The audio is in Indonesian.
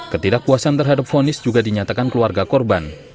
ketidakpuasan terhadap fonis juga dinyatakan keluarga korban